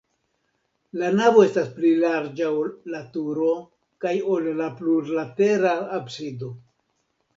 La navo estas pli larĝa, ol la turo kaj ol la plurlatera absido.